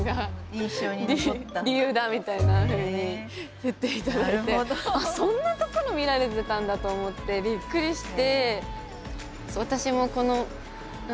みたいなふうに言っていただいてそんなところ見られてたんだと思ってびっくりして。